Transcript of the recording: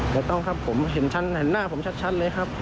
แล้วต้องครับผมเห็นชั้นหน้าผมชัดชั้นเลยครับ